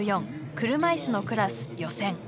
車いすのクラス予選。